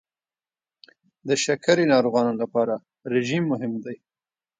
د شکرې ناروغانو لپاره رژیم مهم دی.